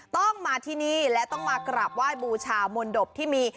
ต้องมาที่นี่และต้องมากราบไหว้บูชามนตบที่มี